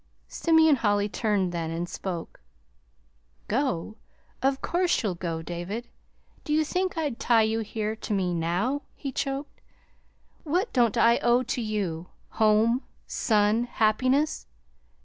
Simeon Holly turned then, and spoke. "Go? Of course you'll go, David. Do you think I'd tie you here to me NOW?" he choked. "What don't I owe to you home, son, happiness!